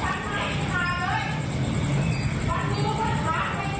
เฮ่ยใกล้ภายในไอ้ตั๋วชัย